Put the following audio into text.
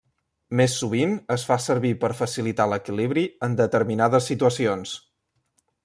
Més sovint es fa servir per facilitar l'equilibri en determinades situacions.